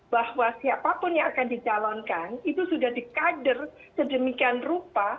bahwa siapapun yang akan dicalonkan itu sudah dikader sedemikian rupa